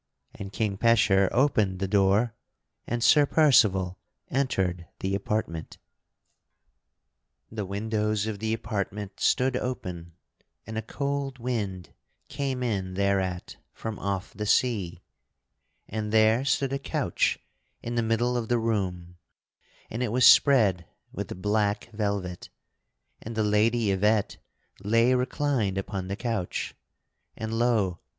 And King Pecheur opened the door and Sir Percival entered the apartment. [Sidenote: Sir Percival findeth the Lady Yvette] The windows of the apartment stood open, and a cold wind came in thereat from off the sea; and there stood a couch in the middle of the room, and it was spread with black velvet; and the Lady Yvette lay reclined upon the couch, and, lo!